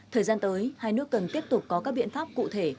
thời gian tới hai nước cần tiếp tục có các biện pháp cụ thể